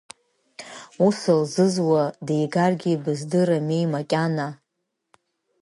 Ус лзызуз дигаргьы быздырамеи макьана?!